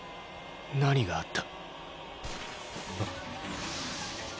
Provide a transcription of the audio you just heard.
何があった。